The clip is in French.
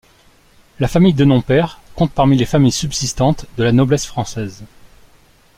La famille de Nompère compte parmi les familles subsistantes de la noblesse française.